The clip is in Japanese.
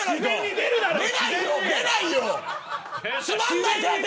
出ないよ。